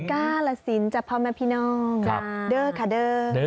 กาลสินจับพร้อมมาพี่น้องนะเด้อค่ะเด้อ